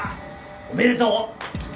おめでとう。